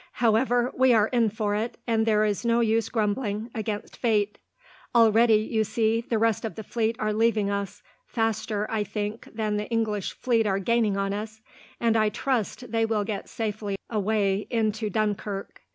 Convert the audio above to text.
However, we are in for it, and there is no use grumbling against fate. Already, you see, the rest of the fleet are leaving us faster, I think, than the English fleet are gaining on us and I trust they will get safely away into Dunkirk.